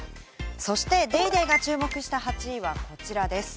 そして『ＤａｙＤａｙ．』が注目した８位はこちらです。